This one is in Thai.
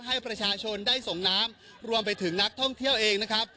ให้ประชาชนได้ส่งน้ำรวมไปถึงนักท่องเที่ยวเองนะครับ